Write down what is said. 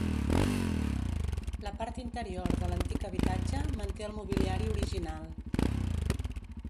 La part interior de l'antic habitatge manté el mobiliari original.